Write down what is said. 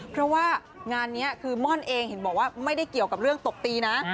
เพราะว่างานนี้คือม่อนเองเห็นบอกว่าไม่ได้เกี่ยวกับเรื่องตบตีนะ